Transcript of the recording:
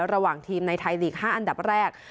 ระหว่างทีมในไทยลีก๕อันดับแรก